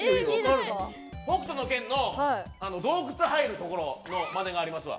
「北斗の拳」の洞窟、入るところのまねがありますわ。